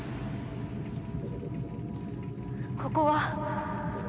ここは！